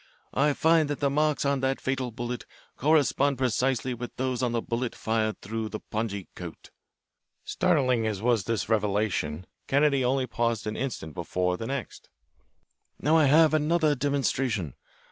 I find that the marks on that fatal bullet correspond precisely with those on the bullet fired through the pongee coat." Startling as was this revelation, Kennedy paused only an instant before the next. "Now I have another demonstration.